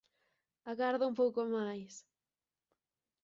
Agarda un pouco máis